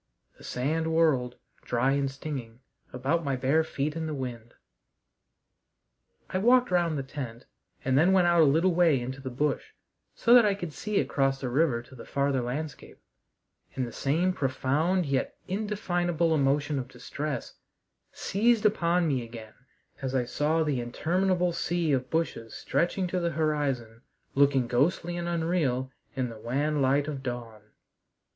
The sand whirled, dry and stinging, about my bare feet in the wind. I walked round the tent and then went out a little way into the bush, so that I could see across the river to the farther landscape, and the same profound yet indefinable emotion of distress seized upon me again as I saw the interminable sea of bushes stretching to the horizon, looking ghostly and unreal in the wan light of dawn.